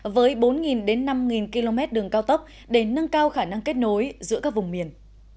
với bốn đến năm km đường cao tốc để nâng cao khả năng kết nối giữa các vùng miền